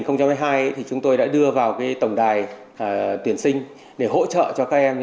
năm hai nghìn hai mươi hai thì chúng tôi đã đưa vào tổng đài tuyển sinh để hỗ trợ cho các em